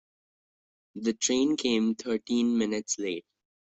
The train came thirteen minutes late.